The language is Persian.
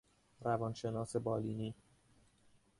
روانشناس بالینی